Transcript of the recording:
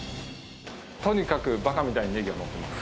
とにかくバカみたいにネギがのってます。